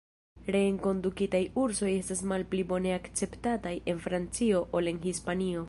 Reenkondukitaj ursoj estas malpli bone akceptataj en Francio ol en Hispanio.